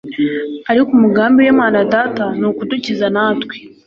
Ariko umugambi w’Imana Data ni ukudukiza natwe